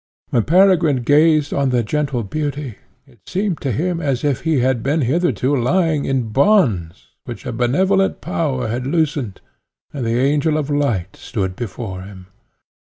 When Peregrine gazed on the gentle beauty, it seemed to him as if he had been hitherto lying in bonds, which a benevolent power had loosened, and the angel of light stood before him.